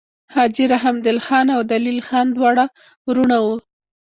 حاجي رحمدل خان او دلیل خان دوه وړونه وه.